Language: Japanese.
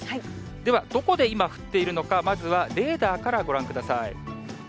ではどこで今、降っているのか、まずはレーダーからご覧ください。